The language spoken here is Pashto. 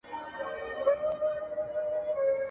د هر چا په زړه کي اوسم بېګانه یم.